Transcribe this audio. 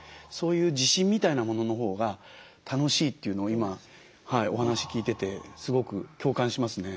そういう自信みたいなもののほうが楽しいというのを今お話聞いててすごく共感しますね。